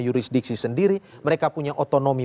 jurisdiksi sendiri mereka punya otonomi